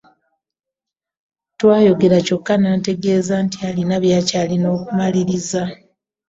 Twayogera kyokka n'antegeeza nti alina by'akyalina okumaliriza.